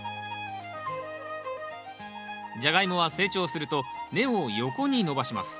ジャガイモは成長すると根を横に伸ばします。